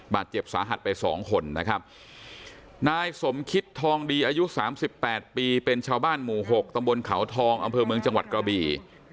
บาดเจ็บสาหัสไปสองคนนะครับนายสมคิตทองดีอายุ๓๘ปีเป็นชาวบ้านหมู่๖ตำบลเขาทองอำเภอเมืองจังหวัดกระบี